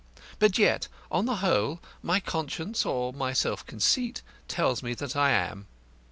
But yet on the whole my conscience or my self conceit tells me that I am.